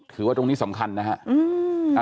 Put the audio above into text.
คือว่าตรงนี้สำคัญนะฮะ